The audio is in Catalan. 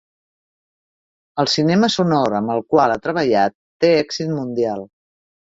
El cinema sonor amb el qual ha treballat, té èxit mundial.